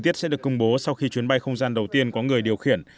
tiết sẽ được công bố sau khi chuyến bay không gian đầu tiên có người điều khiển